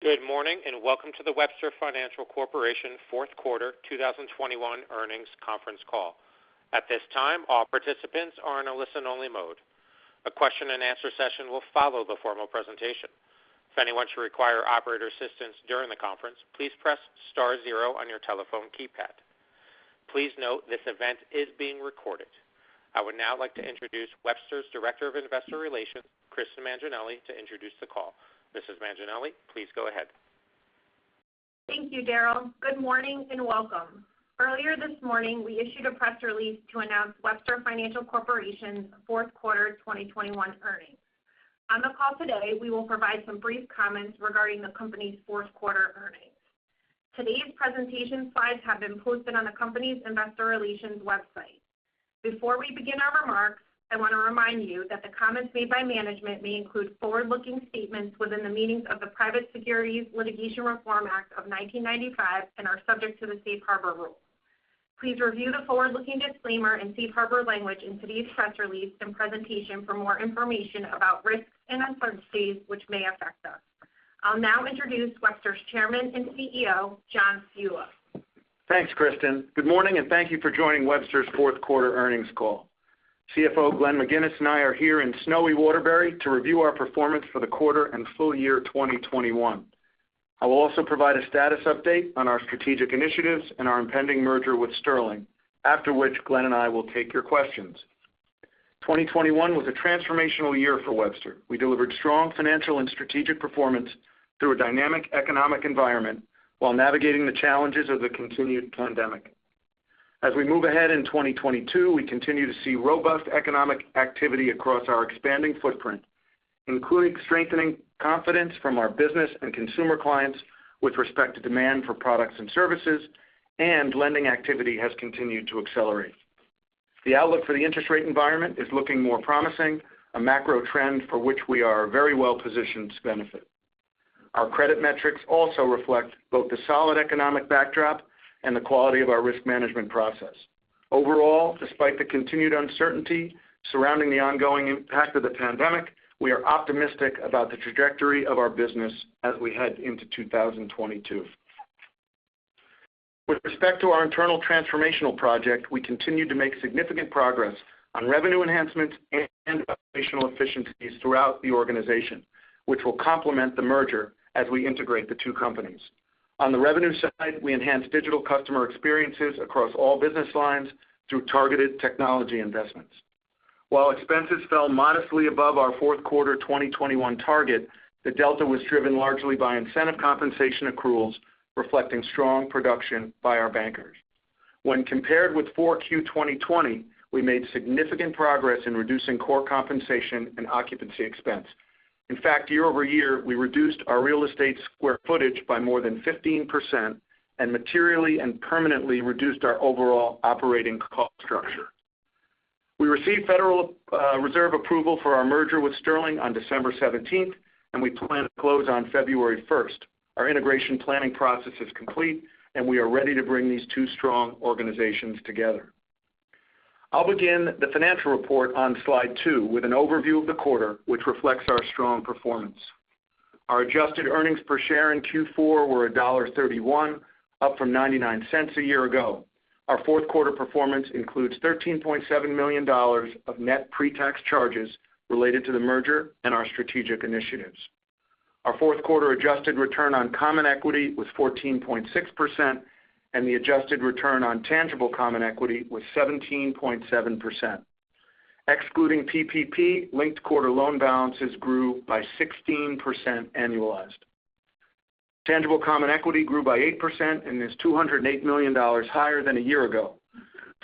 Good morning, and welcome to the Webster Financial Corporation fourth quarter 2021 earnings conference call. At this time, all participants are in a listen-only mode. A Q&A session will follow the formal presentation. If anyone should require operator assistance during the conference, please press star zero on your telephone keypad. Please note this event is being recorded. I would now like to introduce Webster's Director of Investor Relations, Kristen Manginelli, to introduce the call. Mrs. Manginelli, please go ahead. Thank you, Daryl. Good morning, and welcome. Earlier this morning, we issued a press release to announce Webster Financial Corporation's fourth quarter 2021 earnings. On the call today, we will provide some brief comments regarding the company's fourth quarter earnings. Today's presentation slides have been posted on the company's investor relations website. Before we begin our remarks, I want to remind you that the comments made by management may include forward-looking statements within the meanings of the Private Securities Litigation Reform Act of 1995 and are subject to the safe harbor rule. Please review the forward-looking disclaimer and safe harbor language in today's press release and presentation for more information about risks and uncertainties which may affect us. I'll now introduce Webster's Chairman and CEO, John Ciulla. Thanks, Kristen. Good morning, and thank you for joining Webster's fourth quarter earnings call. CFO Glenn MacInnes and I are here in snowy Waterbury to review our performance for the quarter and full year 2021. I will also provide a status update on our strategic initiatives and our impending merger with Sterling, after which Glenn and I will take your questions. 2021 was a transformational year for Webster. We delivered strong financial and strategic performance through a dynamic economic environment while navigating the challenges of the continued pandemic. As we move ahead in 2022, we continue to see robust economic activity across our expanding footprint, including strengthening confidence from our business and consumer clients with respect to demand for products and services, and lending activity has continued to accelerate. The outlook for the interest rate environment is looking more promising, a macro trend for which we are very well-positioned to benefit. Our credit metrics also reflect both the solid economic backdrop and the quality of our risk management process. Overall, despite the continued uncertainty surrounding the ongoing impact of the pandemic, we are optimistic about the trajectory of our business as we head into 2022. With respect to our internal transformational project, we continue to make significant progress on revenue enhancements and operational efficiencies throughout the organization, which will complement the merger as we integrate the two companies. On the revenue side, we enhanced digital customer experiences across all business lines through targeted technology investments. While expenses fell modestly above our fourth quarter 2021 target, the delta was driven largely by incentive compensation accruals reflecting strong production by our bankers. When compared with Q4 2020, we made significant progress in reducing core compensation and occupancy expense. In fact, year-over-year, we reduced our real estate square footage by more than 15% and materially and permanently reduced our overall operating cost structure. We received Federal Reserve approval for our merger with Sterling on December 17th, and we plan to close on February 1st. Our integration planning process is complete, and we are ready to bring these two strong organizations together. I'll begin the financial report on slide two with an overview of the quarter, which reflects our strong performance. Our adjusted earnings per share in Q4 were $1.31, up from $0.99 a year ago. Our fourth quarter performance includes $13.7 million of net pre-tax charges related to the merger and our strategic initiatives. Our fourth quarter adjusted return on common equity was 14.6%, and the adjusted return on tangible common equity was 17.7%. Excluding PPP, linked quarter loan balances grew by 16% annualized. Tangible common equity grew by 8% and is $208 million higher than a year ago.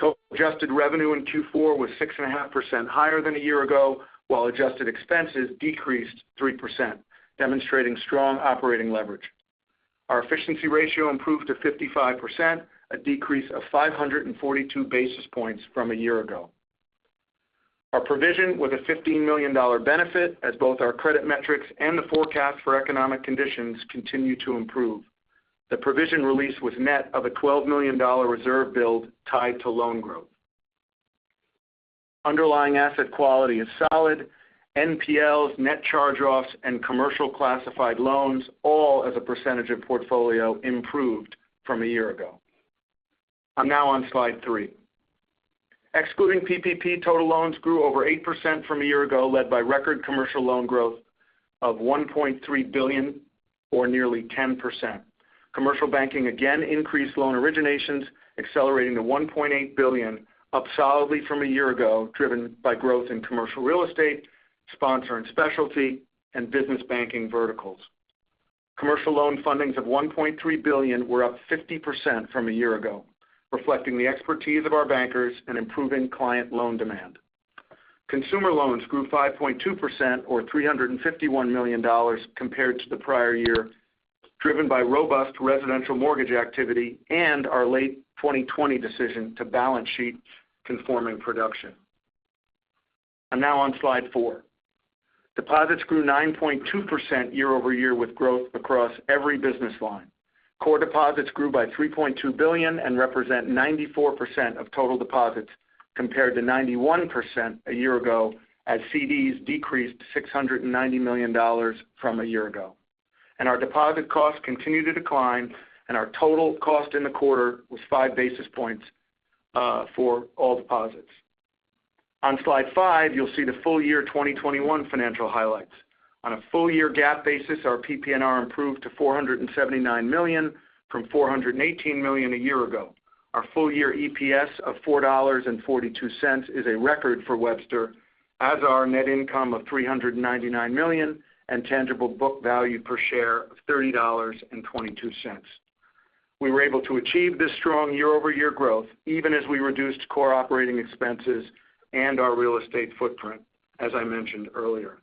Total adjusted revenue in Q4 was 6.5% higher than a year ago, while adjusted expenses decreased 3%, demonstrating strong operating leverage. Our efficiency ratio improved to 55%, a decrease of 542 basis points from a year ago. Our provision was a $15 million benefit as both our credit metrics and the forecast for economic conditions continue to improve. The provision release was net of a $12 million reserve build tied to loan growth. Underlying asset quality is solid. NPLs, net charge-offs, and commercial classified loans, all as a percentage of portfolio, improved from a year ago. I'm now on slide three. Excluding PPP, total loans grew over 8% from a year ago, led by record commercial loan growth of $1.3 billion or nearly 10%. Commercial Banking again increased loan originations, accelerating to $1.8 billion, up solidly from a year ago, driven by growth in commercial real estate, sponsor and specialty, and Business Banking verticals. Commercial loan fundings of $1.3 billion were up 50% from a year ago, reflecting the expertise of our bankers and improving client loan demand. Consumer loans grew 5.2% or $351 million compared to the prior year, driven by robust residential mortgage activity and our late 2020 decision to balance sheet conforming production. I'm now on slide four. Deposits grew 9.2% year-over-year with growth across every business line. Core deposits grew by $3.2 billion and represent 94% of total deposits compared to 91% a year ago as CDs decreased $690 million from a year ago. Our deposit costs continue to decline and our total cost in the quarter was 5 basis points for all deposits. On slide five, you'll see the full year 2021 financial highlights. On a full year GAAP basis, our PPNR improved to $479 million from $418 million a year ago. Our full year EPS of $4.42 is a record for Webster as our net income of $399 million and tangible book value per share of $30.22. We were able to achieve this strong year-over-year growth even as we reduced core operating expenses and our real estate footprint, as I mentioned earlier.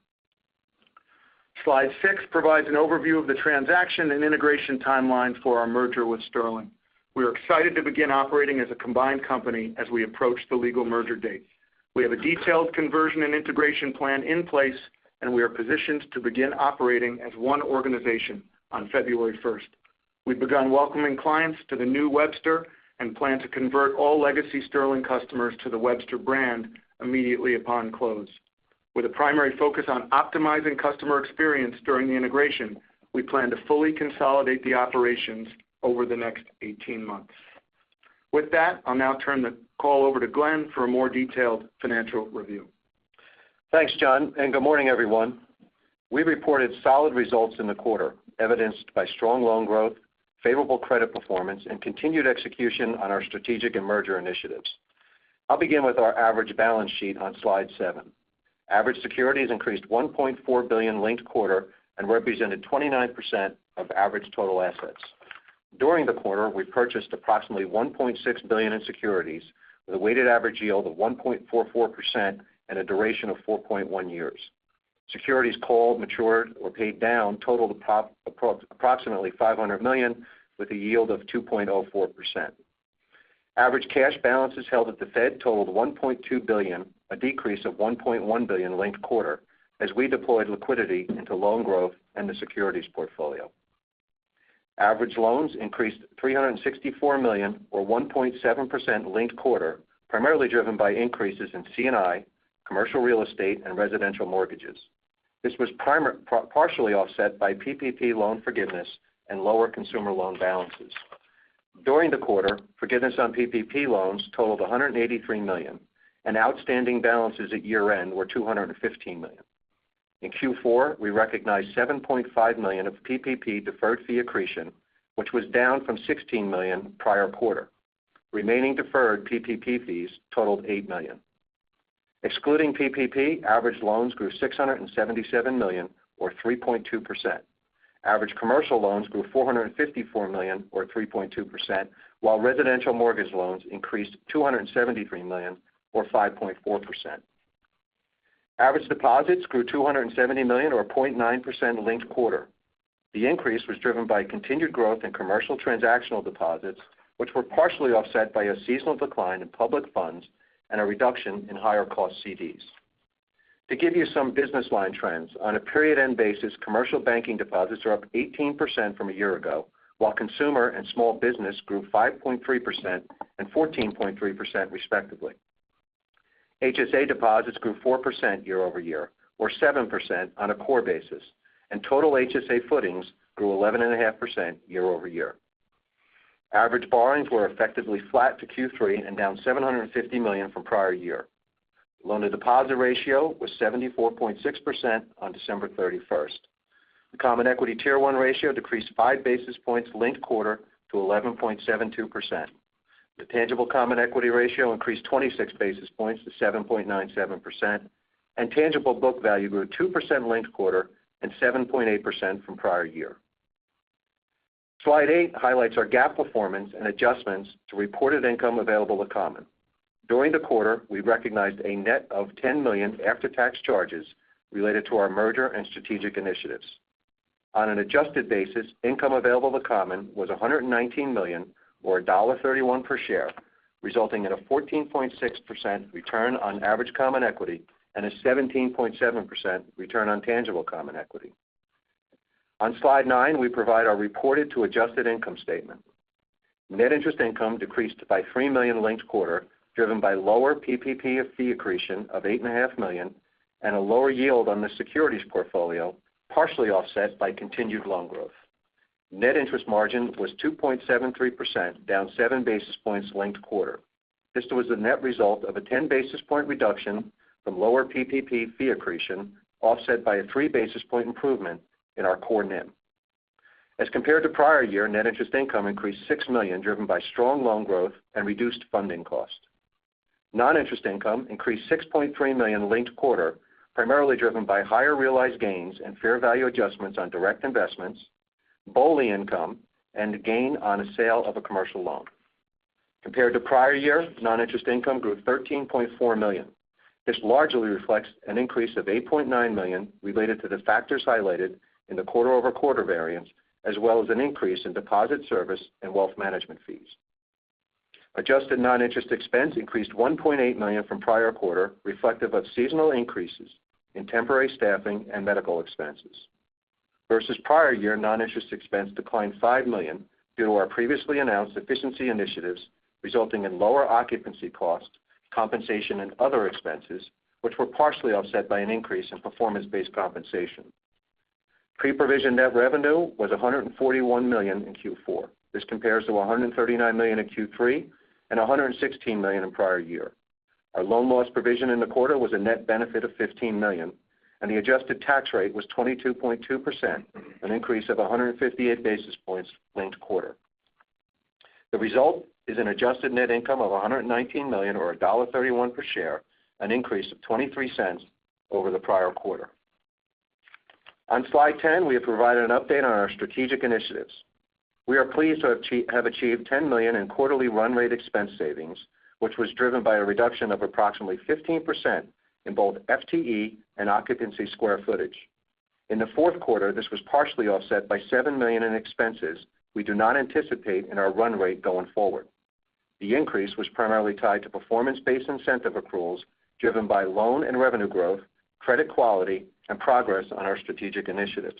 Slide six provides an overview of the transaction and integration timeline for our merger with Sterling. We are excited to begin operating as a combined company as we approach the legal merger date. We have a detailed conversion and integration plan in place, and we are positioned to begin operating as one organization on February first. We've begun welcoming clients to the new Webster and plan to convert all legacy Sterling customers to the Webster brand immediately upon close. With a primary focus on optimizing customer experience during the integration, we plan to fully consolidate the operations over the next 18 months. With that, I'll now turn the call over to Glenn for a more detailed financial review. Thanks, John, and good morning, everyone. We reported solid results in the quarter evidenced by strong loan growth, favorable credit performance, and continued execution on our strategic and merger initiatives. I'll begin with our average balance sheet on slide seven. Average securities increased $1.4 billion linked quarter and represented 29% of average total assets. During the quarter, we purchased approximately $1.6 billion in securities with a weighted average yield of 1.44% and a duration of 4.1 years. Securities called, matured, or paid down totaled approximately $500 million with a yield of 2.04%. Average cash balances held at the Fed totaled $1.2 billion, a decrease of $1.1 billion linked quarter as we deployed liquidity into loan growth and the securities portfolio. Average loans increased $364 million or 1.7% linked quarter, primarily driven by increases in C&I, commercial real estate, and residential mortgages. This was partially offset by PPP loan forgiveness and lower consumer loan balances. During the quarter, forgiveness on PPP loans totaled $183 million, and outstanding balances at year-end were $215 million. In Q4, we recognized $7.5 million of PPP deferred fee accretion, which was down from $16 million prior quarter. Remaining deferred PPP fees totaled $8 million. Excluding PPP, average loans grew $677 million or 3.2%. Average commercial loans grew $454 million or 3.2%, while residential mortgage loans increased $273 million or 5.4%. Average deposits grew $270 million or 0.9% linked quarter. The increase was driven by continued growth in Commercial Banking transactional deposits, which were partially offset by a seasonal decline in public funds and a reduction in higher cost CDs. To give you some business line trends, on a period-end basis, Commercial Banking deposits are up 18% from a year ago, while Consumer and Small Business grew 5.3% and 14.3% respectively. HSA deposits grew 4% year-over-year or 7% on a core basis, and total HSA footings grew 11.5% year-over-year. Average borrowings were effectively flat to Q3 and down $750 million from prior year. Loan-to-deposit ratio was 74.6% on December 31st. The Common Equity Tier 1 ratio decreased 5 basis points linked-quarter to 11.72%. The tangible common equity ratio increased 26 basis points to 7.97%, and tangible book value grew 2% linked quarter and 7.8% from prior year. Slide eight highlights our GAAP performance and adjustments to reported income available to common. During the quarter, we recognized a net of $10 million after-tax charges related to our merger and strategic initiatives. On an adjusted basis, income available to common was $119 million or $1.31 per share, resulting in a 14.6% return on average common equity and a 17.7% return on tangible common equity. On slide nine, we provide our reported to adjusted income statement. Net interest income decreased by $3 million linked quarter, driven by lower PPP fee accretion of $8.5 million and a lower yield on the securities portfolio, partially offset by continued loan growth. Net interest margin was 2.73%, down 7 basis points linked quarter. This was the net result of a 10 basis point reduction from lower PPP fee accretion, offset by a 3 basis point improvement in our core NIM. As compared to prior year, net interest income increased $6 million, driven by strong loan growth and reduced funding cost. Non-interest income increased $6.3 million linked quarter, primarily driven by higher realized gains and fair value adjustments on direct investments, BOLI income, and gain on a sale of a commercial loan. Compared to prior year, non-interest income grew $13.4 million. This largely reflects an increase of $8.9 million related to the factors highlighted in the quarter-over-quarter variance, as well as an increase in deposit service and wealth management fees. Adjusted non-interest expense increased $1.8 million from prior quarter, reflective of seasonal increases in temporary staffing and medical expenses. Versus prior year, non-interest expense declined $5 million due to our previously announced efficiency initiatives resulting in lower occupancy costs, compensation, and other expenses, which were partially offset by an increase in performance-based compensation. Pre-provision net revenue was $141 million in Q4. This compares to $139 million in Q3 and $116 million in prior year. Our loan loss provision in the quarter was a net benefit of $15 million, and the adjusted tax rate was 22.2%, an increase of 158 basis points linked quarter. The result is an adjusted net income of $119 million or $1.31 per share, an increase of $0.23 over the prior quarter. On slide 10, we have provided an update on our strategic initiatives. We are pleased to have achieved $10 million in quarterly run rate expense savings, which was driven by a reduction of approximately 15% in both FTE and occupancy square footage. In the fourth quarter, this was partially offset by $7 million in expenses we do not anticipate in our run rate going forward. The increase was primarily tied to performance-based incentive accruals driven by loan and revenue growth, credit quality, and progress on our strategic initiatives.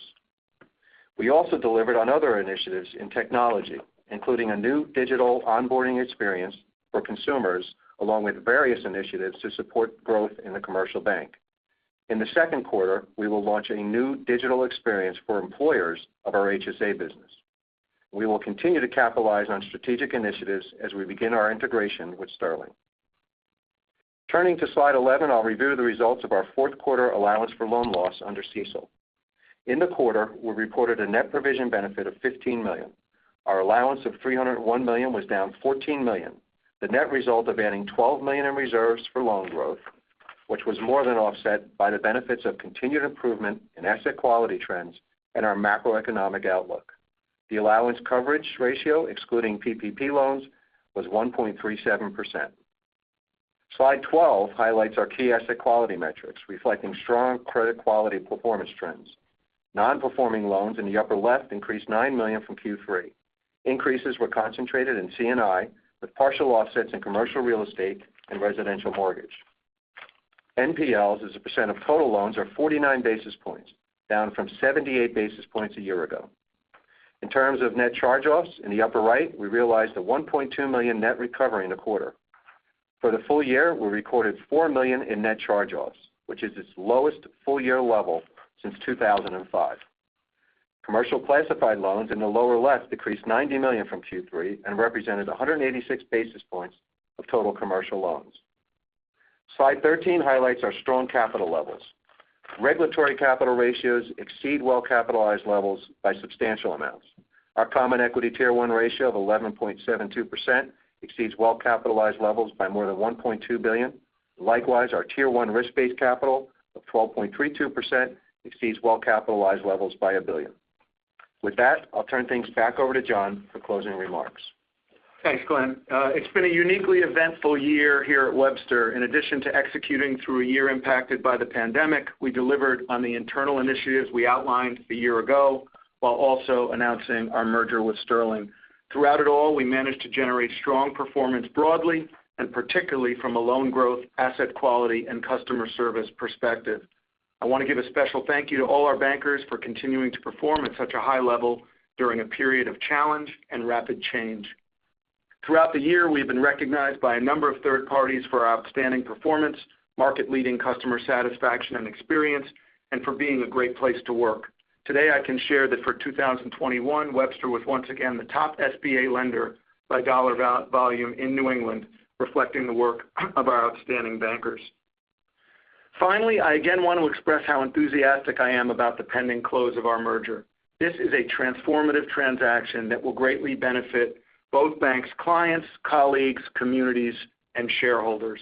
We also delivered on other initiatives in technology, including a new digital onboarding experience for consumers, along with various initiatives to support growth in the commercial bank. In the second quarter, we will launch a new digital experience for employers of our HSA business. We will continue to capitalize on strategic initiatives as we begin our integration with Sterling. Turning to slide 11, I'll review the results of our fourth quarter allowance for loan loss under CECL. In the quarter, we reported a net provision benefit of $15 million. Our allowance of $301 million was down $14 million, the net result of adding $12 million in reserves for loan growth, which was more than offset by the benefits of continued improvement in asset quality trends and our macroeconomic outlook. The allowance coverage ratio, excluding PPP loans, was 1.37%. Slide 12 highlights our key asset quality metrics reflecting strong credit quality performance trends. Non-performing loans in the upper left increased $9 million from Q3. Increases were concentrated in C&I, with partial offsets in commercial real estate and residential mortgage. NPLs as a percent of total loans are 49 basis points, down from 78 basis points a year ago. In terms of net charge-offs in the upper right, we realized a $1.2 million net recovery in the quarter. For the full year, we recorded $4 million in net charge-offs, which is its lowest full-year level since 2005. Commercial classified loans in the lower left decreased $90 million from Q3 and represented 186 basis points of total commercial loans. Slide 13 highlights our strong capital levels. Regulatory capital ratios exceed well-capitalized levels by substantial amounts. Our common equity Tier 1 ratio of 11.72% exceeds well-capitalized levels by more than $1.2 billion. Likewise, our Tier 1 risk-based capital of 12.32% exceeds well-capitalized levels by $1 billion. With that, I'll turn things back over to John for closing remarks. Thanks, Glenn. It's been a uniquely eventful year here at Webster. In addition to executing through a year impacted by the pandemic, we delivered on the internal initiatives we outlined a year ago while also announcing our merger with Sterling. Throughout it all, we managed to generate strong performance broadly and particularly from a loan growth, asset quality, and customer service perspective. I want to give a special thank you to all our bankers for continuing to perform at such a high level during a period of challenge and rapid change. Throughout the year, we have been recognized by a number of third parties for our outstanding performance, market-leading customer satisfaction and experience, and for being a great place to work. Today, I can share that for 2021, Webster was once again the top SBA lender by dollar value-volume in New England, reflecting the work of our outstanding bankers. Finally, I again want to express how enthusiastic I am about the pending close of our merger. This is a transformative transaction that will greatly benefit both banks' clients, colleagues, communities, and shareholders.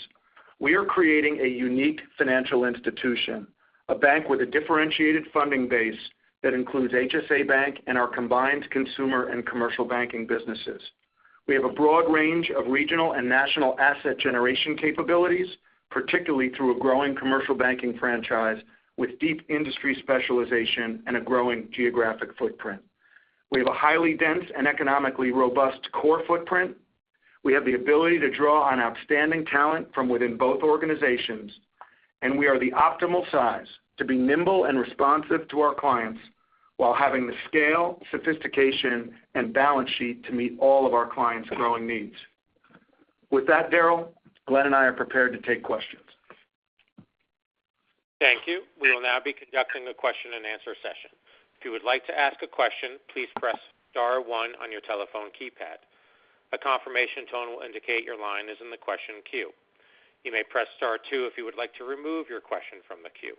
We are creating a unique financial institution, a bank with a differentiated funding base that includes HSA Bank and our combined Consumer and Commercial Banking businesses. We have a broad range of regional and national asset generation capabilities, particularly through a growing Commercial Banking franchise with deep industry specialization and a growing geographic footprint. We have a highly dense and economically robust core footprint. We have the ability to draw on outstanding talent from within both organizations, and we are the optimal size to be nimble and responsive to our clients while having the scale, sophistication, and balance sheet to meet all of our clients' growing needs. With that, Daryl, Glenn and I are prepared to take questions. Thank you. We will now be conducting the Q&A session. If you would like to ask a question, please press star one on your telephone keypad. A confirmation tone will indicate your line is in the question queue. You may press star two if you would like to remove your question from the queue.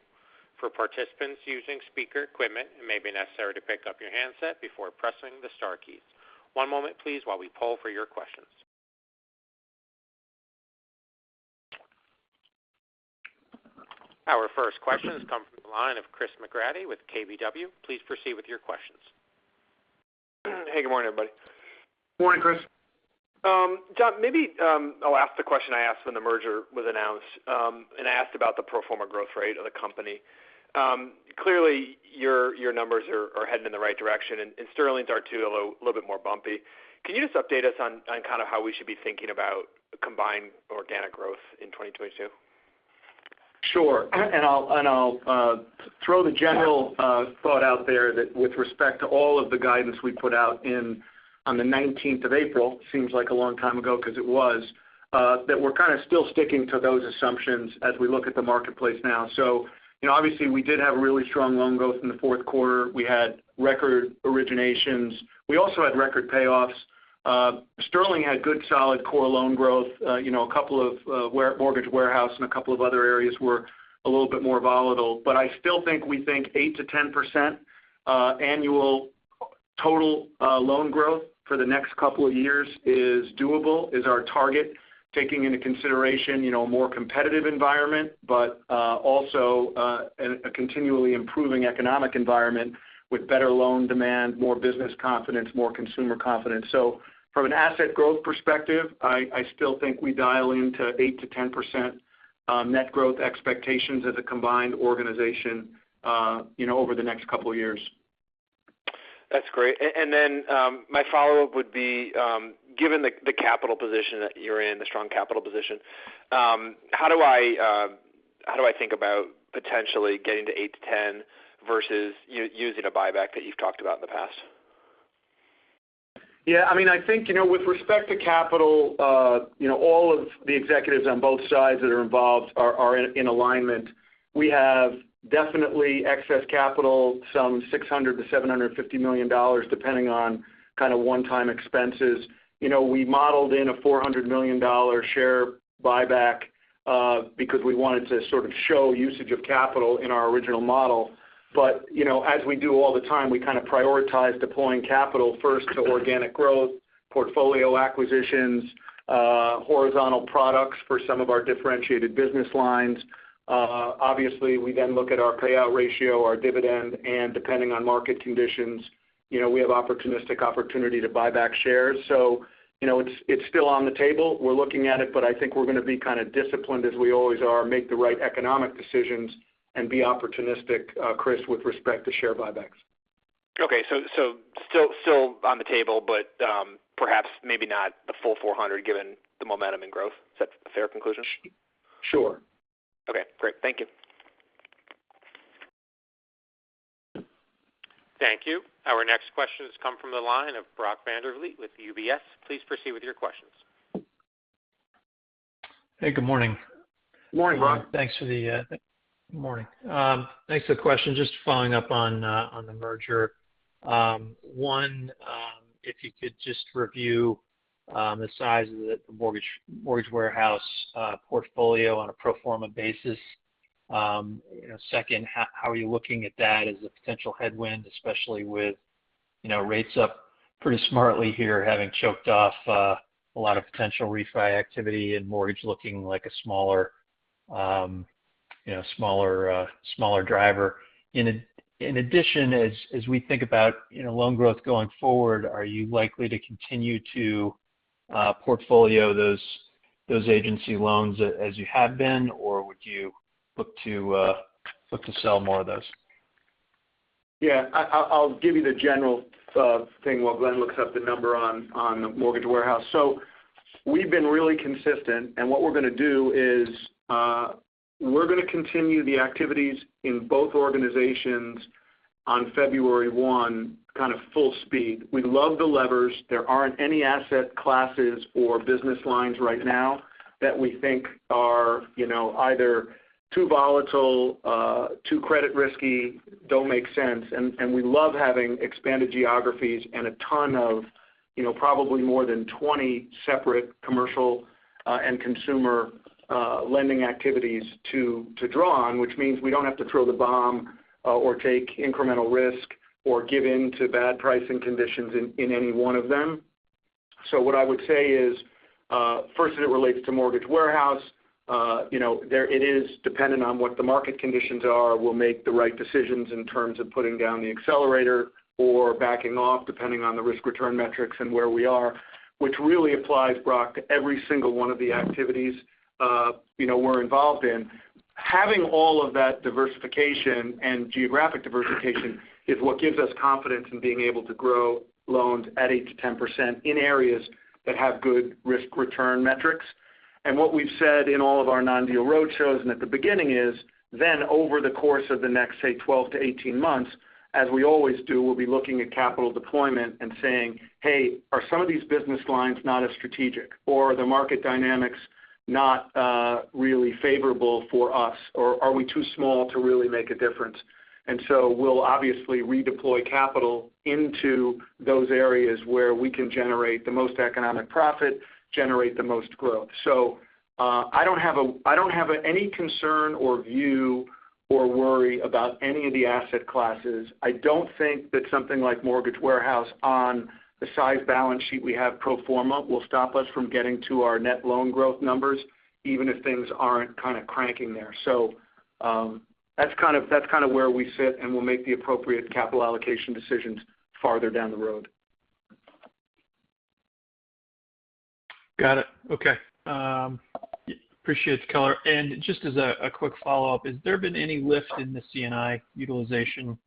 For participants using speaker equipment, it may be necessary to pick up your handset before pressing the star keys. One moment please while we poll for your questions. Our first question comes from the line of Chris McGratty with KBW. Please proceed with your questions. Hey, good morning, everybody. Morning, Chris. John, maybe I'll ask the question I asked when the merger was announced, and I asked about the pro forma growth rate of the company. Clearly your numbers are heading in the right direction and Sterling's are too, although a little bit more bumpy. Can you just update us on kind of how we should be thinking about combined organic growth in 2022? Sure. I'll throw the general thought out there that with respect to all of the guidance we put out on the 19th of April, seems like a long time ago because it was that we're kind of still sticking to those assumptions as we look at the marketplace now. You know, obviously we did have a really strong loan growth in the fourth quarter. We had record originations. We also had record payoffs. Sterling had good solid core loan growth. You know, a couple of Mortgage Warehouse and a couple of other areas were a little bit more volatile. I still think we think 8%-10% annual total loan growth for the next couple of years is doable, is our target, taking into consideration, you know, a more competitive environment, but also a continually improving economic environment with better loan demand, more business confidence, more consumer confidence. From an asset growth perspective, I still think we dial into 8%-10% net growth expectations as a combined organization, you know, over the next couple of years. That's great. My follow-up would be, given the capital position that you're in, the strong capital position, how do I think about potentially getting to 8-10 versus using a buyback that you've talked about in the past? Yeah, I mean, I think, you know, with respect to capital, you know, all of the executives on both sides that are involved are in alignment. We have definitely excess capital, some $600 million-$750 million, depending on kind of one-time expenses. You know, we modeled in a $400 million share buyback, because we wanted to sort of show usage of capital in our original model. But, you know, as we do all the time, we kind of prioritize deploying capital first to organic growth, portfolio acquisitions, horizontal products for some of our differentiated business lines. Obviously, we then look at our payout ratio, our dividend, and depending on market conditions, you know, we have opportunistic opportunity to buy back shares. You know, it's still on the table. We're looking at it, but I think we're going to be kind of disciplined as we always are, make the right economic decisions and be opportunistic, Chris, with respect to share buybacks. Okay. Still on the table, but perhaps maybe not the full 400 given the momentum and growth. Is that a fair conclusion? Sure. Okay, great. Thank you. Thank you. Our next question has come from the line of Brock Vandervliet with UBS. Please proceed with your questions. Hey, good morning. Morning, Brock. Thanks for the morning. Thanks for the question. Just following up on the merger. One, if you could just review the size of the Mortgage Warehouse portfolio on a pro forma basis. You know, second, how are you looking at that as a potential headwind, especially with you know, rates up pretty smartly here, having choked off a lot of potential refi activity and mortgage looking like a smaller you know, smaller driver. In addition, as we think about you know, loan growth going forward, are you likely to continue to portfolio those agency loans as you have been, or would you look to sell more of those? I'll give you the general thing while Glenn looks up the number on the Mortgage Warehouse. We've been really consistent, and what we're going to do is we're going to continue the activities in both organizations on February 1, kind of full speed. We love the levers. There aren't any asset classes or business lines right now that we think are, you know, either too volatile, too credit risky, don't make sense. We love having expanded geographies and a ton of, you know, probably more than 20 separate commercial and consumer lending activities to draw on, which means we don't have to throw the bomb or take incremental risk or give in to bad pricing conditions in any one of them. What I would say is, first as it relates to Mortgage Warehouse, you know, there it is dependent on what the market conditions are. We'll make the right decisions in terms of putting down the accelerator or backing off depending on the risk-return metrics and where we are, which really applies, Brock, to every single one of the activities, you know, we're involved in. Having all of that diversification and geographic diversification is what gives us confidence in being able to grow loans at 8%-10% in areas that have good risk-return metrics. What we've said in all of our non-deal roadshows and at the beginning is then over the course of the next, say, 12-18 months, as we always do, we'll be looking at capital deployment and saying, "Hey, are some of these business lines not as strategic? Or are the market dynamics not really favorable for us? Or are we too small to really make a difference?" We'll obviously redeploy capital into those areas where we can generate the most economic profit, generate the most growth. I don't have any concern or view or worry about any of the asset classes. I don't think that something like Mortgage Warehouse on the size balance sheet we have pro forma will stop us from getting to our net loan growth numbers, even if things aren't kind of cranking there. That's kind of where we sit, and we'll make the appropriate capital allocation decisions farther down the road. Got it. Okay. Appreciate the color. Just as a quick follow-up, has there been any lift in the C&I utilization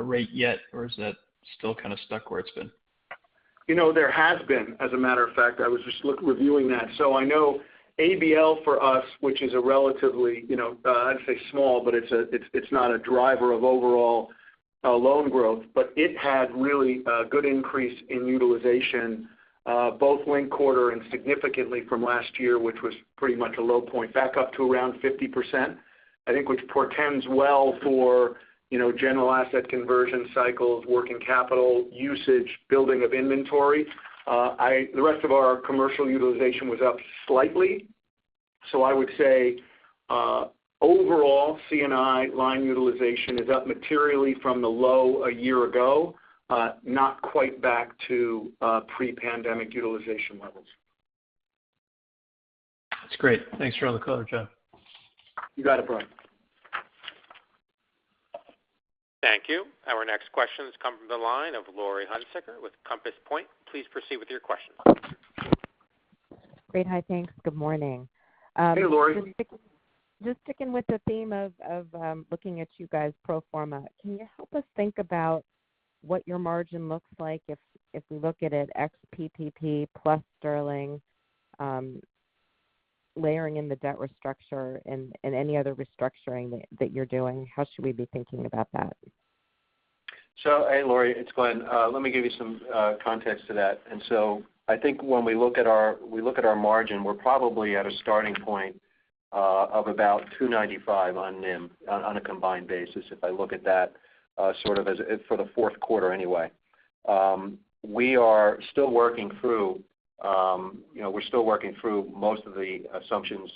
rate yet, or is that still kind of stuck where it's been? You know, there has been, as a matter of fact. I was just reviewing that. So I know ABL for us, which is a relatively, you know, I'd say small, but it's not a driver of overall loan growth. But it had really a good increase in utilization both linked quarter and significantly from last year, which was pretty much a low point back up to around 50%. I think which portends well for, you know, general asset conversion cycles, working capital usage, building of inventory. The rest of our commercial utilization was up slightly. So I would say overall, C&I line utilization is up materially from the low a year ago, not quite back to pre-pandemic utilization levels. That's great. Thanks for all the color, Jeff. You got it, Brock. Thank you. Our next question comes from the line of Laurie Hunsicker with Compass Point. Please proceed with your question. Great. Hi. Thanks. Good morning. Hey, Laurie. Just sticking with the theme of looking at you guys pro forma. Can you help us think about what your margin looks like if we look at it ex PPP plus Sterling, layering in the debt restructure and any other restructuring that you're doing? How should we be thinking about that? Hey, Laurie, it's Glenn. Let me give you some context to that. I think when we look at our margin, we're probably at a starting point of about 2.95 on NIM on a combined basis if I look at that for the fourth quarter anyway. We are still working through you know, we're still working through most of the assumptions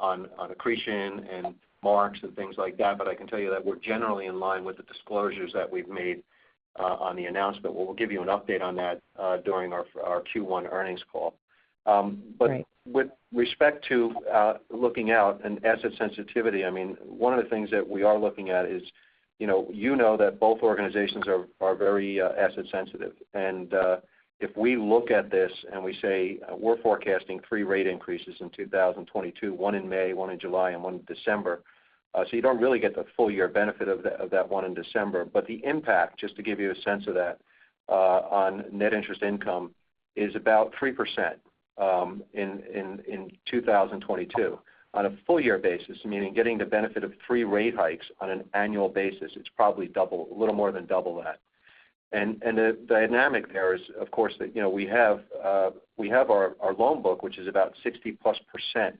on accretion and marks and things like that. I can tell you that we're generally in line with the disclosures that we've made on the announcement. We'll give you an update on that during our Q1 earnings call. Right. With respect to looking out and asset sensitivity, I mean, one of the things that we are looking at is, you know, you know that both organizations are very asset sensitive. If we look at this and we say we're forecasting three rate increases in 2022, one in May, one in July, and one in December. You don't really get the full year benefit of that one in December. The impact, just to give you a sense of that, on net interest income is about 3% in 2022. On a full year basis, meaning getting the benefit of three rate hikes on an annual basis, it's probably double, a little more than double that. The dynamic there is, of course, that, you know, we have our loan book, which is about 60+%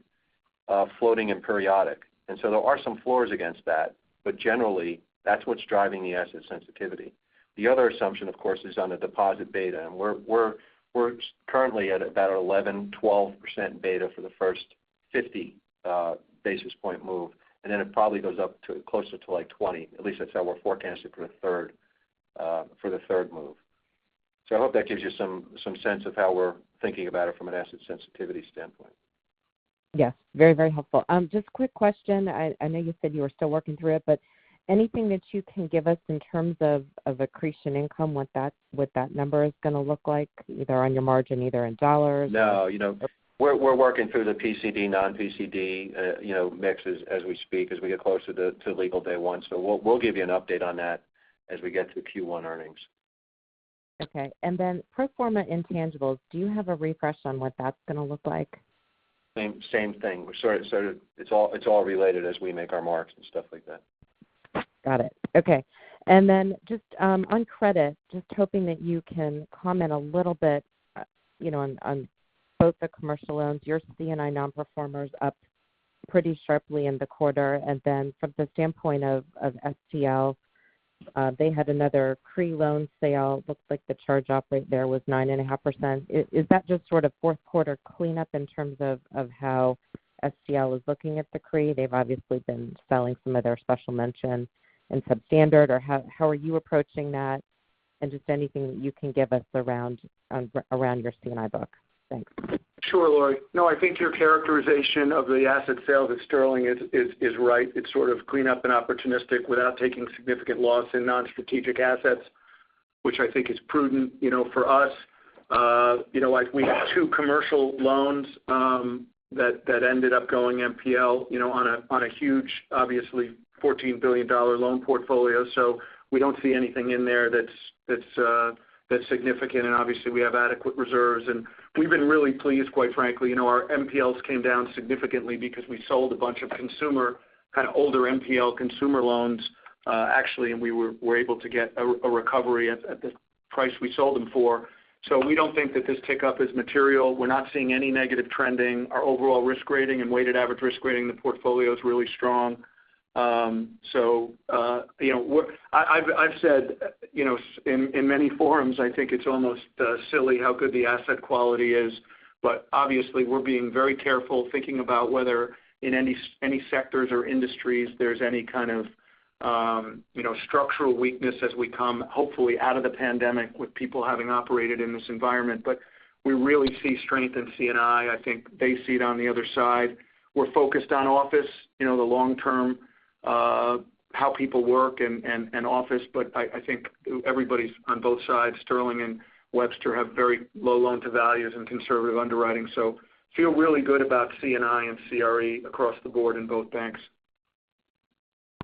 floating and periodic. So there are some floors against that. But generally, that's what's driving the asset sensitivity. The other assumption, of course, is on a deposit beta. We're currently at about 11-12% beta for the first 50 basis point move. Then it probably goes up to closer to, like, 20%. At least that's how we're forecasting for the third move. I hope that gives you some sense of how we're thinking about it from an asset sensitivity standpoint. Yes. Very, very helpful. Just quick question. I know you said you were still working through it, but anything that you can give us in terms of accretion income, what that number is gonna look like either on your margin, either in dollars. No. You know, we're working through the PCD, non-PCD, you know, mixes as we speak as we get closer to legal day one. So we'll give you an update on that as we get to Q1 earnings. Okay. Pro forma intangibles, do you have a refresh on what that's gonna look like? Same thing. It's all related as we make our marks and stuff like that. Got it. Okay. Just on credit, just hoping that you can comment a little bit, you know, on both the commercial loans. Your C&I nonperformers up pretty sharply in the quarter. From the standpoint of STL, they had another CRE loan sale. Looks like the charge-off rate there was 9.5%. Is that just sort of fourth quarter cleanup in terms of how STL is looking at the CRE? They've obviously been selling some of their special mention and substandard, or how are you approaching that? Just anything that you can give us around your C&I book. Thanks. Sure, Laurie. No, I think your characterization of the asset sales at Sterling is right. It's sort of cleanup and opportunistic without taking significant loss in non-strategic assets, which I think is prudent. You know, for us, you know, like we have two commercial loans that ended up going NPL, you know, on a huge, obviously, $14 billion loan portfolio. So we don't see anything in there that's significant. And obviously, we have adequate reserves. And we've been really pleased, quite frankly. You know, our NPLs came down significantly because we sold a bunch of consumer, kind of older NPL consumer loans, actually, and we were able to get a recovery at the price we sold them for. So we don't think that this tick up is material. We're not seeing any negative trending. Our overall risk rating and weighted average risk rating in the portfolio is really strong. You know, I've said, you know, in many forums, I think it's almost silly how good the asset quality is. Obviously, we're being very careful thinking about whether in any sectors or industries there's any kind of, you know, structural weakness as we come, hopefully, out of the pandemic with people having operated in this environment. We really see strength in C&I. I think they see it on the other side. We're focused on office, you know, the long term, how people work and office. I think everybody's on both sides. Sterling and Webster have very low loan to values and conservative underwriting. Feel really good about C&I and CRE across the board in both banks.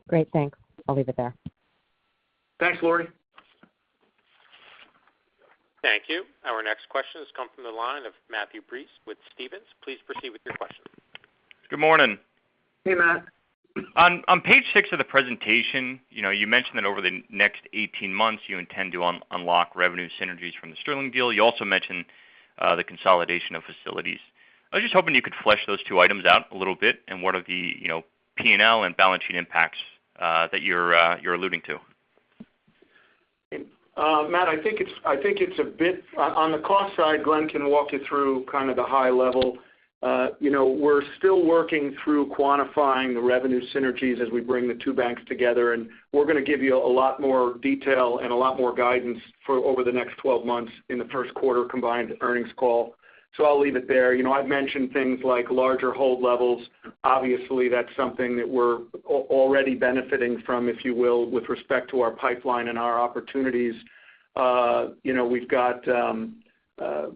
Great. Thanks. I'll leave it there. Thanks, Laurie. Thank you. Our next question has come from the line of Matthew Breese with Stephens. Please proceed with your question. Good morning. Hey, Matt. On page six of the presentation, you know, you mentioned that over the next 18 months, you intend to unlock revenue synergies from the Sterling deal. You also mentioned the consolidation of facilities. I was just hoping you could flesh those two items out a little bit and what are the, you know, P&L and balance sheet impacts that you're alluding to. Matt, I think it's a bit on the cost side. Glenn can walk you through kind of the high level. You know, we're still working through quantifying the revenue synergies as we bring the two banks together, and we're going to give you a lot more detail and a lot more guidance for over the next 12 months in the first quarter combined earnings call. I'll leave it there. You know, I've mentioned things like larger hold levels. Obviously, that's something that we're already benefiting from, if you will, with respect to our pipeline and our opportunities. You know, we've got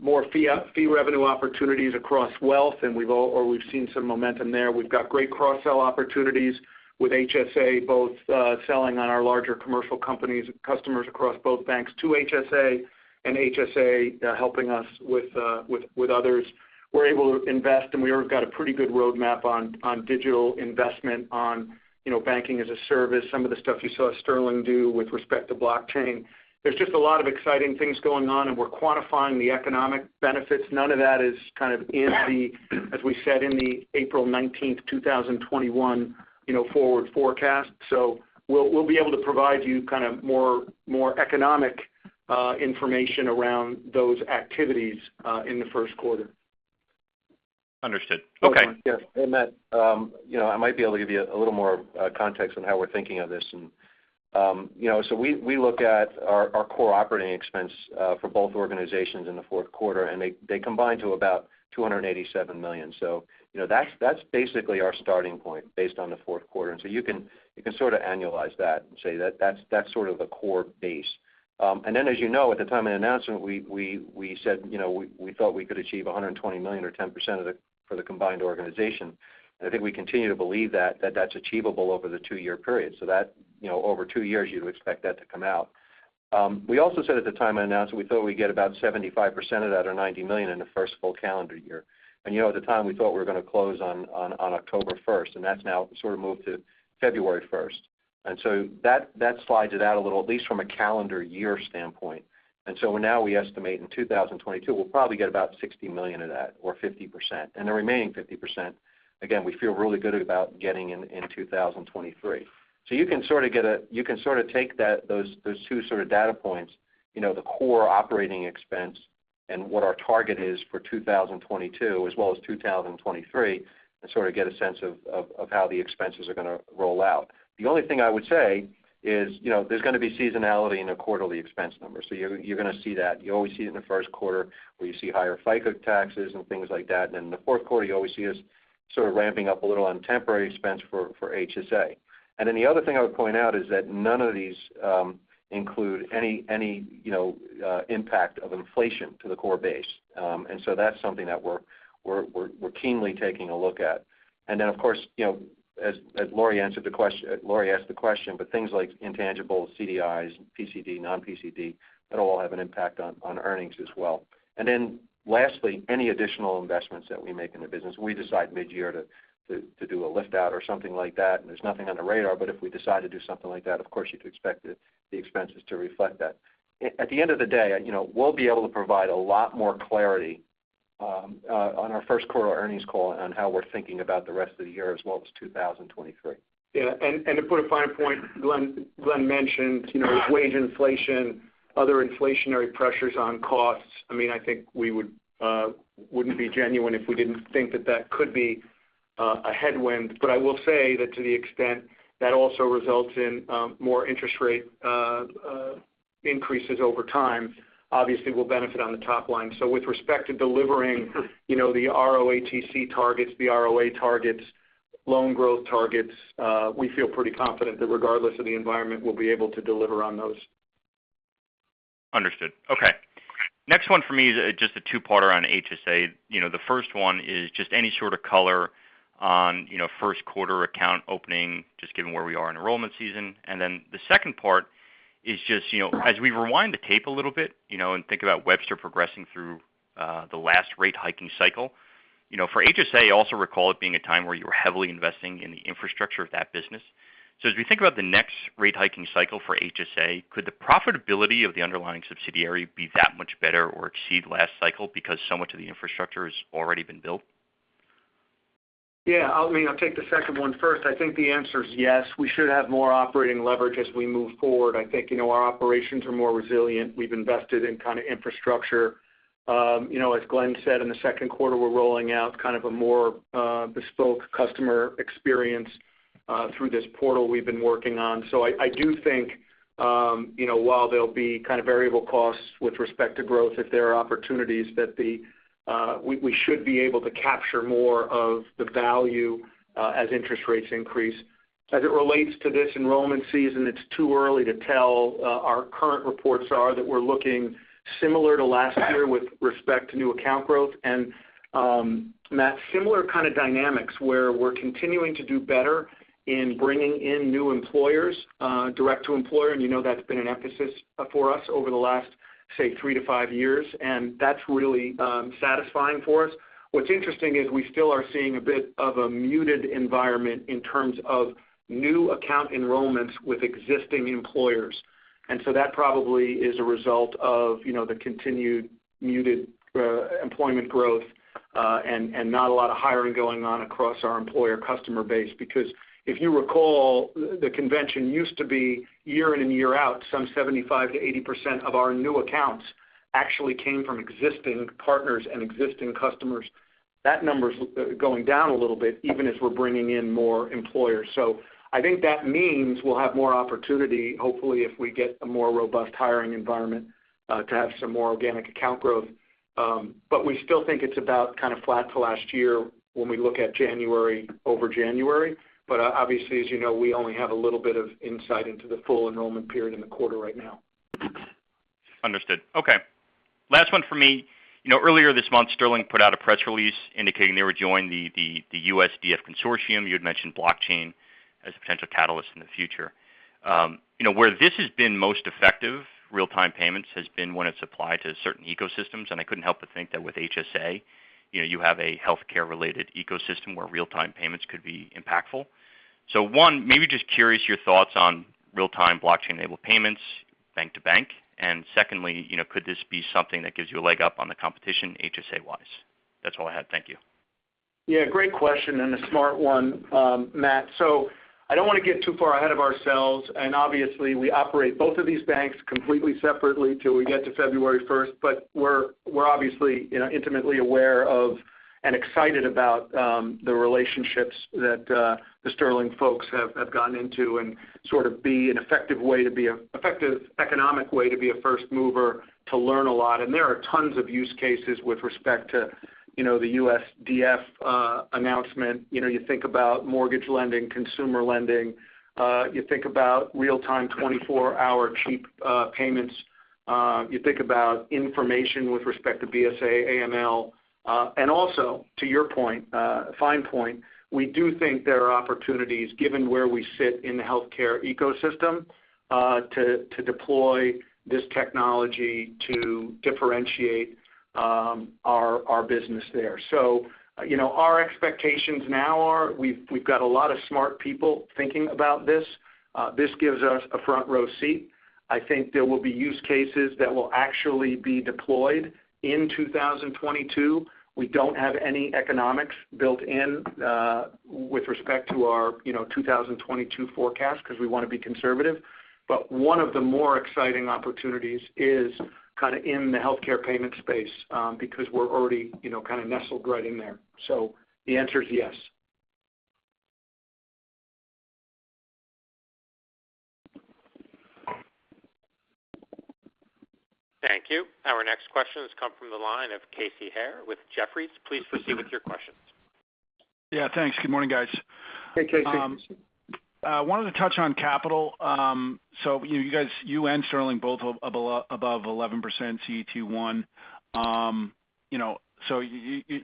more fee revenue opportunities across wealth, and we've seen some momentum there. We've got great cross-sell opportunities with HSA, both selling to our larger commercial companies, customers across both banks to HSA and HSA helping us with others. We're able to invest, and we've got a pretty good roadmap on digital investment on, you know, banking as a service, some of the stuff you saw Sterling do with respect to blockchain. There's just a lot of exciting things going on, and we're quantifying the economic benefits. None of that is kind of in, as we said, the April 19, 2021, you know, forward forecast. So we'll be able to provide you kind of more economic information around those activities in the first quarter. Understood. Okay. Matt, you know, I might be able to give you a little more context on how we're thinking of this. You know, we look at our core operating expense for both organizations in the fourth quarter, and they combine to about $287 million. You know, that's basically our starting point based on the fourth quarter. You can sort of annualize that and say that that's sort of the core base. As you know, at the time of announcement, we said, you know, we thought we could achieve $120 million or 10% of the for the combined organization. I think we continue to believe that that's achievable over the two-year period. That, you know, over two years, you would expect that to come out. We also said at the time of announcement, we thought we'd get about 75% of that or $90 million in the first full calendar year. You know, at the time, we thought we were going to close on October first, and that's now sort of moved to February first. That slides it out a little, at least from a calendar year standpoint. Now we estimate in 2022, we'll probably get about $60 million of that or 50%. The remaining 50%, again, we feel really good about getting in 2023. You can sort of take that, those two sort of data points, you know, the core operating expense and what our target is for 2022 as well as 2023, and sort of get a sense of how the expenses are going to roll out. The only thing I would say is, you know, there's going to be seasonality in the quarterly expense numbers. You're going to see that. You always see it in the first quarter, where you see higher FICA taxes and things like that. In the fourth quarter, you always see us sort of ramping up a little on temporary expense for HSA. Then the other thing I would point out is that none of these include any, you know, impact of inflation to the core base. That's something that we're keenly taking a look at. Of course, you know, Laurie asked the question, but things like intangibles, CDIs, PCD, non-PCD, that'll all have an impact on earnings as well. Lastly, any additional investments that we make in the business, we decide mid-year to do a lift out or something like that, and there's nothing on the radar. If we decide to do something like that, of course, you'd expect the expenses to reflect that. At the end of the day, you know, we'll be able to provide a lot more clarity on our first quarter earnings call on how we're thinking about the rest of the year as well as 2023. Yeah. To put a fine point, Glenn mentioned, you know, wage inflation, other inflationary pressures on costs. I mean, I think we wouldn't be genuine if we didn't think that could be a headwind. I will say that to the extent that also results in more interest rate increases over time, obviously we'll benefit on the top line. With respect to delivering, you know, the ROATC targets, the ROA targets, loan growth targets, we feel pretty confident that regardless of the environment, we'll be able to deliver on those. Understood. Okay. Next one for me is just a two-parter on HSA. You know, the first one is just any sort of color on, you know, first quarter account opening, just given where we are in enrollment season. The second part is just, you know, as we rewind the tape a little bit, you know, and think about Webster progressing through the last rate hiking cycle. You know, for HSA, I also recall it being a time where you were heavily investing in the infrastructure of that business. As we think about the next rate hiking cycle for HSA, could the profitability of the underlying subsidiary be that much better or exceed last cycle because so much of the infrastructure has already been built? Yeah. I mean, I'll take the second one first. I think the answer is yes. We should have more operating leverage as we move forward. I think, you know, our operations are more resilient. We've invested in kind of infrastructure. You know, as Glenn said, in the second quarter, we're rolling out kind of a more bespoke customer experience. Through this portal we've been working on. I do think, you know, while there'll be kind of variable costs with respect to growth, if there are opportunities that we should be able to capture more of the value, as interest rates increase. As it relates to this enrollment season, it's too early to tell. Our current reports are that we're looking similar to last year with respect to new account growth. Matt, similar kind of dynamics where we're continuing to do better in bringing in new employers, direct to employer, and you know that's been an emphasis, for us over the last, say, three to five years, and that's really, satisfying for us. What's interesting is we still are seeing a bit of a muted environment in terms of new account enrollments with existing employers. That probably is a result of, you know, the continued muted, employment growth, and not a lot of hiring going on across our employer customer base. Because if you recall, the convention used to be year in and year out, some 75%-80% of our new accounts actually came from existing partners and existing customers. That number's going down a little bit, even as we're bringing in more employers. I think that means we'll have more opportunity, hopefully, if we get a more robust hiring environment, to have some more organic account growth. We still think it's about kind of flat to last year when we look at January over January. Obviously, as you know, we only have a little bit of insight into the full enrollment period in the quarter right now. Understood. Okay. Last one for me. You know, earlier this month, Sterling put out a press release indicating they would join the USDF Consortium. You had mentioned blockchain as a potential catalyst in the future. You know, where this has been most effective, real-time payments, has been when it's applied to certain ecosystems, and I couldn't help but think that with HSA, you know, you have a healthcare-related ecosystem where real-time payments could be impactful. One, maybe just curious your thoughts on real-time blockchain-enabled payments, bank to bank. And secondly, you know, could this be something that gives you a leg up on the competition HSA-wise? That's all I had. Thank you. Yeah, great question and a smart one, Matt. I don't wanna get too far ahead of ourselves, and obviously, we operate both of these banks completely separately till we get to February first. We're obviously, you know, intimately aware of and excited about the relationships that the Sterling folks have gotten into and sort of an effective economic way to be a first mover to learn a lot. There are tons of use cases with respect to, you know, the USDF announcement. You know, you think about mortgage lending, consumer lending. You think about real-time, 24-hour cheap payments. You think about information with respect to BSA, AML. To your point, fine point, we do think there are opportunities given where we sit in the healthcare ecosystem, to deploy this technology to differentiate our business there. You know, our expectations now are we've got a lot of smart people thinking about this. This gives us a front row seat. I think there will be use cases that will actually be deployed in 2022. We don't have any economics built in, with respect to our, you know, 2022 forecast because we wanna be conservative. One of the more exciting opportunities is kind of in the healthcare payment space, because we're already, you know, kind of nestled right in there. The answer is yes. Thank you. Our next question has come from the line of Casey Haire with Jefferies. Please proceed with your questions. Yeah, thanks. Good morning, guys. Hey, Casey. I wanted to touch on capital. You know, you guys and Sterling both above 11% CET1. Your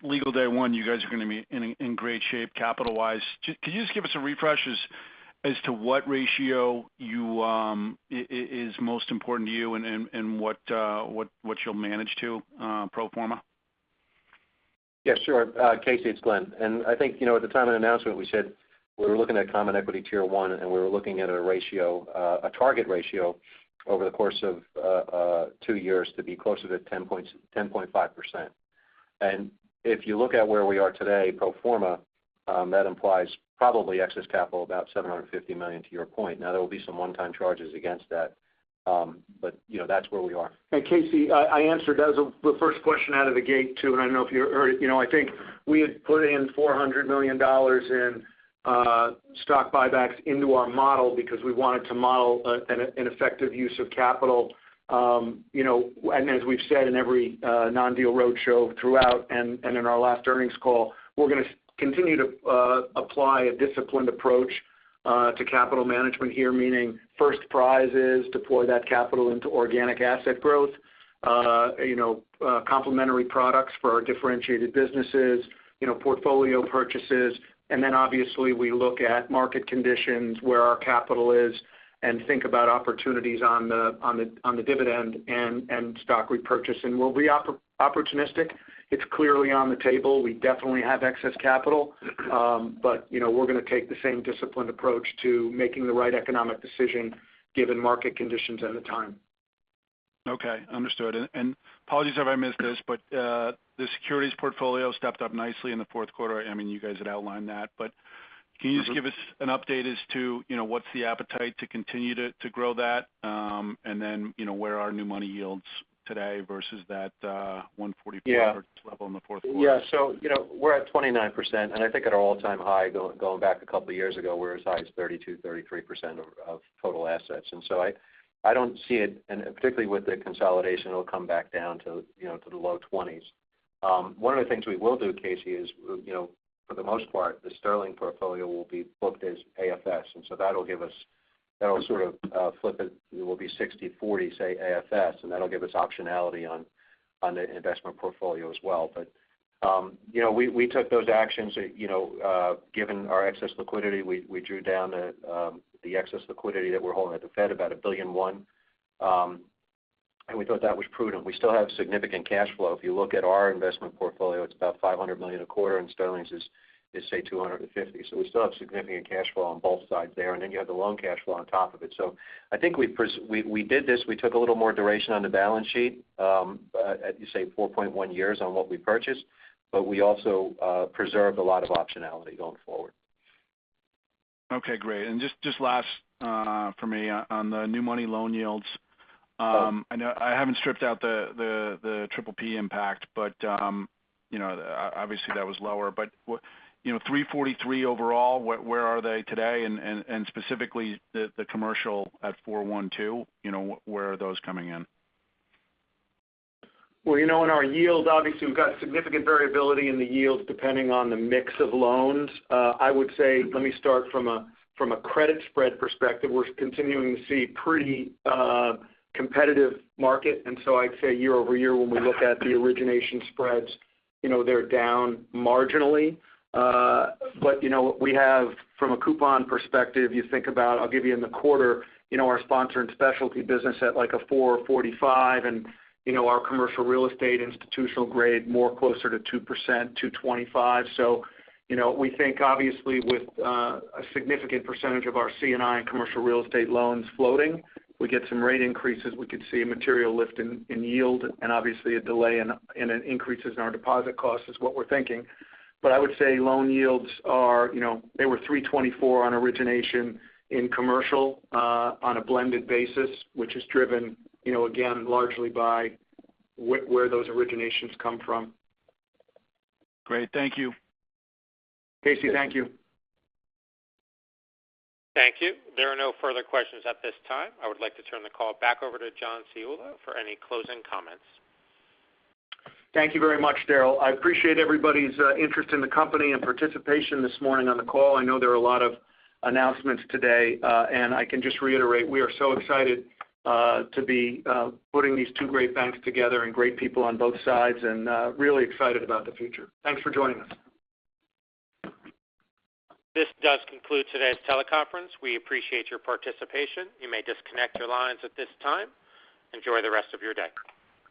legal day one, you guys are gonna be in great shape capital-wise. John, can you just give us a refresh as to what ratio is most important to you and what you'll manage to pro forma? Yeah, sure. Casey, it's Glenn. I think, you know, at the time of announcement, we said we were looking at common equity tier one, and we were looking at a ratio, a target ratio over the course of two years to be closer to 10.5%. If you look at where we are today, pro forma, that implies probably excess capital of about $750 million to your point. Now, there will be some one-time charges against that, but, you know, that's where we are. Casey, I answered as of the first question out of the gate, too, and I don't know if you heard it. You know, I think we had put in $400 million in stock buybacks into our model because we wanted to model an effective use of capital. You know, and as we've said in every non-deal roadshow throughout and in our last earnings call, we're gonna continue to apply a disciplined approach to capital management here, meaning first prize is deploy that capital into organic asset growth, you know, complementary products for our differentiated businesses, you know, portfolio purchases. Then obviously, we look at market conditions where our capital is and think about opportunities on the dividend and stock repurchase. We'll be opportunistic. It's clearly on the table. We definitely have excess capital. You know, we're gonna take the same disciplined approach to making the right economic decision given market conditions at the time. Okay. Understood. Apologies if I missed this, but the securities portfolio stepped up nicely in the fourth quarter. I mean, you guys had outlined that, but can you just give us an update as to, you know, what's the appetite to continue to grow that? And then, you know, where are new money yields today versus that 1.44. Yeah. Repurchase level in the fourth quarter? Yeah. You know, we're at 29%, and I think at our all-time high going back a couple years ago, we were as high as 32%, 33% of total assets. I don't see it, and particularly with the consolidation, it'll come back down to, you know, to the low 20s. One of the things we will do, Casey, is you know, for the most part, the Sterling portfolio will be booked as AFS. That'll give us sort of flip it. It will be 60/40, say, AFS, and that'll give us optionality on the investment portfolio as well. You know, we took those actions, you know, given our excess liquidity, we drew down the excess liquidity that we're holding at the Fed about $1.1 billion, and we thought that was prudent. We still have significant cash flow. If you look at our investment portfolio, it's about $500 million a quarter, and Sterling's is, say, $250 million. We still have significant cash flow on both sides there. Then you have the loan cash flow on top of it. I think we did this. We took a little more duration on the balance sheet, at 4.1 years on what we purchased, but we also preserved a lot of optionality going forward. Okay, great. Just last for me on the new money loan yields. I know I haven't stripped out the PPP impact, but you know, obviously that was lower. You know, 3.43% overall, where are they today and specifically the commercial at 4.12%, you know, where are those coming in? Well, you know, in our yields, obviously we've got significant variability in the yields depending on the mix of loans. I would say, let me start from a credit spread perspective. We're continuing to see pretty competitive market. I'd say year-over-year, when we look at the origination spreads, you know, they're down marginally. But you know, we have from a coupon perspective, you think about I'll give you in the quarter, you know, our sponsor and specialty business at like a 4.45%. You know, our commercial real estate institutional grade, more closer to 2% to 2.25%. You know, we think obviously with a significant percentage of our C&I commercial real estate loans floating, we get some rate increases. We could see a material lift in yield and obviously a delay in an increase in our deposit costs is what we're thinking. I would say loan yields are, you know, they were 3.24 on origination in commercial, on a blended basis, which is driven, you know, again, largely by where those originations come from. Great. Thank you. Casey. Thank you. Thank you. There are no further questions at this time. I would like to turn the call back over to John Ciulla for any closing comments. Thank you very much, Daryl. I appreciate everybody's interest in the company and participation this morning on the call. I know there are a lot of announcements today, and I can just reiterate we are so excited to be putting these two great banks together and great people on both sides and really excited about the future. Thanks for joining us. This does conclude today's teleconference. We appreciate your participation. You may disconnect your lines at this time. Enjoy the rest of your day.